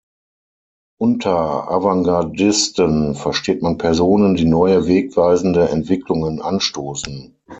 Unter Avantgardisten versteht man Personen, die neue, wegweisende Entwicklungen anstoßen.